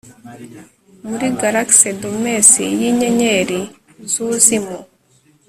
muri galaxy domes yinyenyeri zuzimu